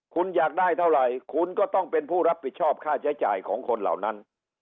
คุณอยากได้เท่าไหร่คุณก็ต้องเป็นผู้รับผิดชอบค่าใช้จ่ายของคนเหล่านั้น